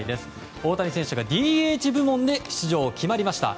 大谷選手はＤＨ部門で出場が決まりました。